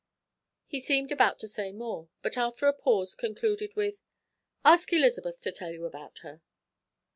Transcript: He seemed about to say more, but after a pause concluded with: "Ask Elizabeth to tell you about her."